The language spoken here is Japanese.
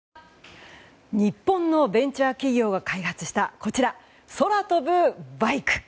日本のベンチャー企業が開発した空飛ぶバイク。